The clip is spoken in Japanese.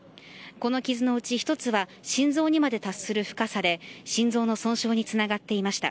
この傷のうち１つは心臓にまで達する深さで心臓の損傷につながっていました。